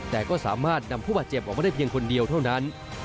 แต่ก็สามารถนำผู้บาดเจ็บออกมาได้เพียงคนเดียวเท่านั้น